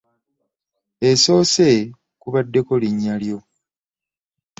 Esoose kubaddeko linnya lyo.